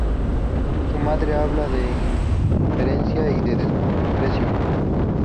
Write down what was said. Su madre habla de indiferencia y de desprecio.